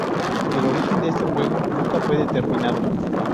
El origen de ese juego nunca fue determinado.